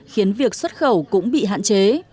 khiến việc xuất khẩu cũng bị hạn chế